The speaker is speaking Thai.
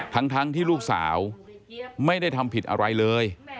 ทั้งที่ลูกสาวไม่ได้ทำผิดอะไรเลย